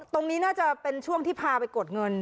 ตรงนี้น่าจะเป็นช่วงที่พาไปกดเงิน